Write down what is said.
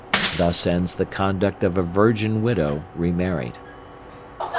Thus ends the conduct of a virgin widow re married.